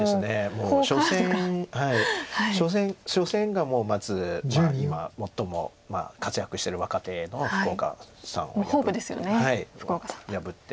もう初戦がまずまあ今最も活躍してる若手の福岡さんを破って。